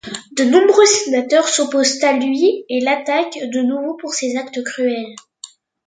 De nombreux sénateurs s'opposent à lui et l'attaquent de nouveau pour ses actes cruels.